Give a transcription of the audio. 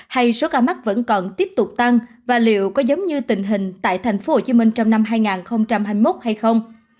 hay số ca mắc vẫn còn tiếp tục tăng và liệu có giống như tình hình tại tp hcm trong năm hai nghìn hai mươi một hay không